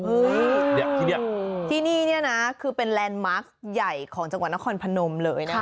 อู๋ที่นี่นะคือเป็นแลนด์มาร์คใหญ่ของจังหวันนครพนมเลยนะครับ